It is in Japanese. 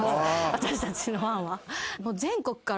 私たちのファンは。